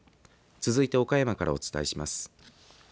続いて、岡山からお伝えします。